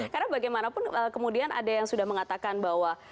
karena bagaimanapun kemudian ada yang sudah mengatakan bahwa